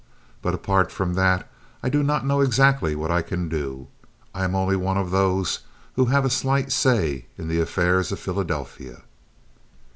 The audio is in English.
But apart from that I do not know exactly what I can do. I am only one of those who have a slight say in the affairs of Philadelphia."